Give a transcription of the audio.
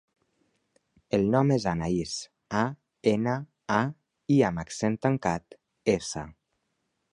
El nom és Anaís: a, ena, a, i amb accent tancat, essa.